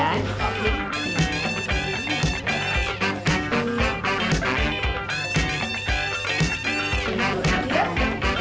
satu dua tiga